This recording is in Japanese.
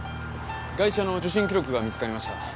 ガイシャの受診記録が見つかりました。